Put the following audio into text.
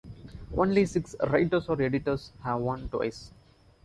Only six writers or editors have won twice.